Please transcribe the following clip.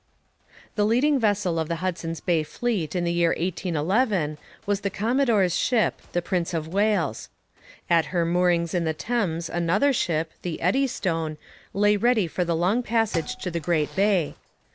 The leading vessel of the Hudson's Bay fleet in the year 1811 was the commodore's ship, the Prince of Wales. At her moorings in the Thames another ship, the Eddystone, lay ready for the long passage to the Great Bay.